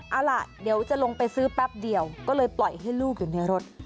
เอาล่ะเดี๋ยวจะลงไปซื้อแป๊บเดียวก็เลยปล่อยให้ลูกอยู่ในรถ